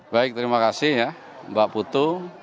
baik terima kasih ya mbak putu